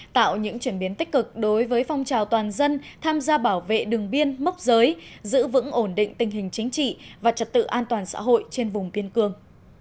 tạo những chuyển biến tích cực đối với phong trào toàn dân tham gia bảo vệ đường biên mốc giới giữ vững ổn định tình hình chính trị và trật tự an toàn xã hội trên vùng kiên cường